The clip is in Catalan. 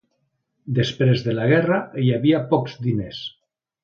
Després de la guerra hi havia pocs diners.